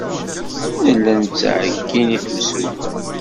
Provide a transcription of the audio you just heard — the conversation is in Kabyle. Nella nettɛeyyin i temsulta.